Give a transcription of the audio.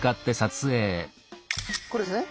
これですね？